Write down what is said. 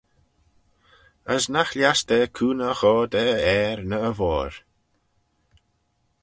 As nagh lhiass da cooney y chur da e ayr ny e voir.